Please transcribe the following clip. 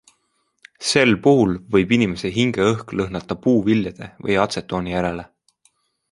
Sel puhul võib inimese hingeõhk lõhnata puuviljade või atsetooni järele.